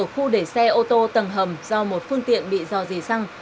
khu để xe ô tô tầng hầm do một phương tiện bị dò dì xăng